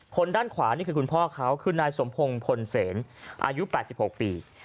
ด้านขวานี่คือคุณพ่อเขาคือนายสมพงศ์พลเสนอายุ๘๖ปี